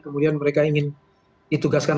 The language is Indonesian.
kemudian mereka ingin ditugaskan